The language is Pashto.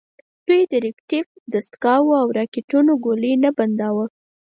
دوی د ریکتیف دستګاوو او راکېټونو ګولۍ نه بنداوه.